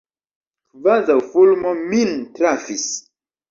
Kvazaŭ fulmo min trafis.